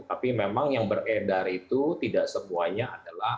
tapi memang yang beredar itu tidak semuanya adalah